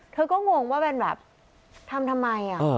เธอก็งงว่าเป็นแบบทำทำไม